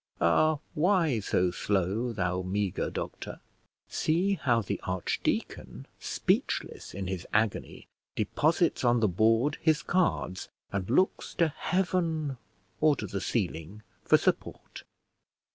Ah, why so slow, thou meagre doctor? See how the archdeacon, speechless in his agony, deposits on the board his cards, and looks to heaven or to the ceiling for support.